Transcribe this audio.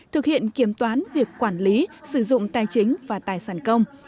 thực hiện kiểm toán việc quản lý sử dụng tài chính và tài sản công